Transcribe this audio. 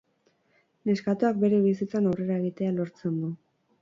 Neskatoak bere bizitzan aurrera egitea lortzen du.